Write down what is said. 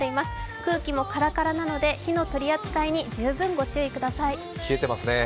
空気もカラカラなので火の取り扱いに十分ご注意ください。